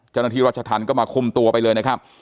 เจ้าหน้าที่รัชทันก็มาคุมตัวไปเลยนะครับ